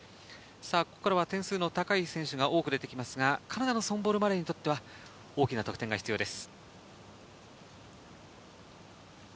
ここからは点数の高い選手が多く出てきますが、カナダのソンボル・マレーにとっては、大きな得点が必要です。